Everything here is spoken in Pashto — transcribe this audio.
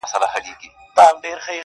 خوشحال په دې دى چي دا ستا خاوند دی.